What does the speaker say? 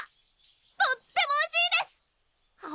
とってもおいしいです！